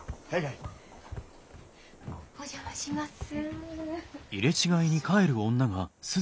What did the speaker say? お邪魔します。